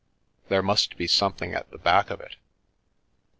There must be something at the back of it."